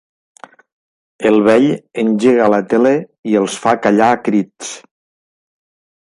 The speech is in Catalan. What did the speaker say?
El vell engega la tele i els fa callar a crits.